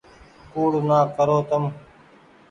ڪوڙ نآ ڪرو تم ۔